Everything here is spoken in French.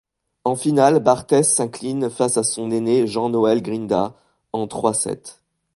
En finale, Barthès s'incline face à son aîné Jean-Noël Grinda en trois sets.